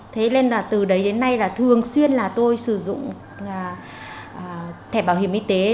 thế nên là từ đấy đến nay là thường xuyên là tôi sử dụng thẻ bảo hiểm y tế